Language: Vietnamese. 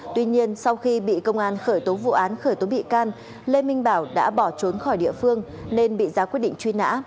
tuy nhiên sau khi bị công an khởi tố vụ án khởi tố bị can lê minh bảo đã bỏ trốn khỏi địa phương nên bị ra quyết định truy nã